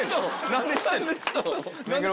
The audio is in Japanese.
何で知ってんの？